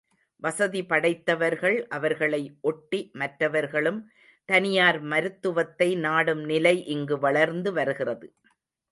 வசதி படைத்தவர்கள் அவர்களை ஒட்டி மற்றவர்களும் தனியார் மருத்துவத்தை நாடும் நிலை இங்கு வளர்ந்துவருகிறது.